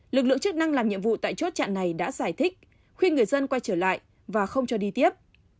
lực lượng chức năng làm nhiệm vụ tại chốt chặn này đã giải thích khuyên người dân quay trở lại và không cho đi tiếp